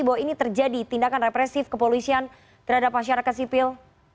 bahwa ini terjadi tindakan represif kepolisian terhadap masyarakat sipil